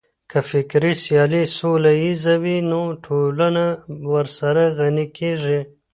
که فکري سيالي سوله ييزه وي نو ټولنه ورسره غني کېږي.